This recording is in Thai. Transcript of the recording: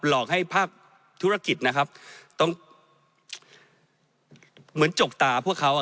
หลอกให้ภาคธุรกิจนะครับเหมือนจกตาพวกเขานะครับ